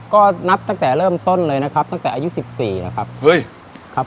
ก็นับตั้งแต่เริ่มต้นเลยนะครับตั้งแต่อายุสิบสี่แล้วครับเฮ้ยครับ